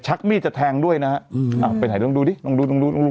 มีดจะแทงด้วยนะฮะอืมอ้าวไปไหนลองดูดิลองดูลองดูดู